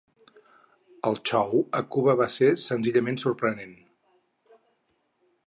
El xou a Cuba va ser senzillament sorprenent.